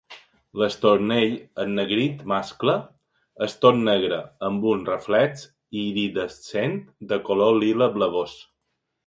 L'estornell ennegrit mascle és tot negre amb un reflex iridescent de color lila blavós.